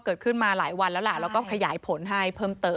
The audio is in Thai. เกิดขึ้นมาหลายวันแล้วล่ะแล้วก็ขยายผลให้เพิ่มเติม